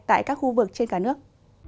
tại các khu vực trên cả nước